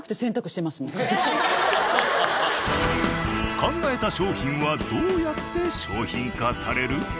私考えた商品はどうやって商品化される？